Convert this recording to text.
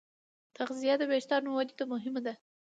تغذیه د وېښتیانو ودې ته مهمه ده.